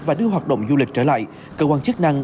và đưa hoạt động du lịch trở lại cơ quan chức năng